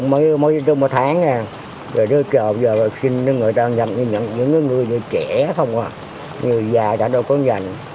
mới vô đây được mấy tháng rồi giờ xin người ta nhận những người trẻ không người già ta đâu có dành